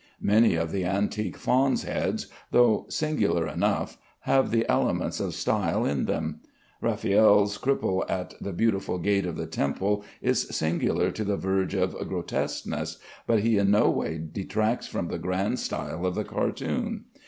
Many of the antique fawns' heads, though singular enough, have the elements of style in them. Raffaelle's cripple at the Beautiful Gate of the Temple is singular to the verge of grotesqueness, but he in no way detracts from the grand style of the cartoon.